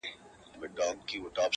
کليوال ژوند بدل ښکاري ظاهراً,